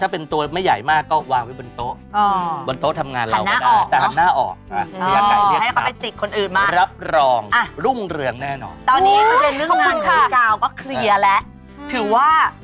ประเด็นเรื่องงานของอีก๙ก็เคลียร์แล้ว